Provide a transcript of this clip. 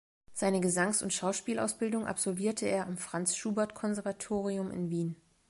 Seine Gesangs- und Schauspielausbildung absolvierte er am Franz Schubert Konservatorium in Wien.